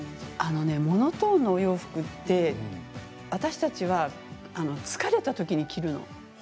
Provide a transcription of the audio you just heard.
モノトーンのお洋服って私たちは疲れたときに着るの。